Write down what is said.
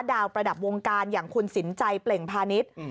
ประดับวงการอย่างคุณสินใจเปล่งพาณิชย์